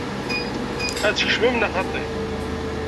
Ad tkecmem neɣ xaṭi?